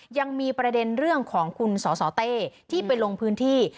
ยังมีประเด็นเรื่องของคุณสสเต้ที่ไปลงพื้นที่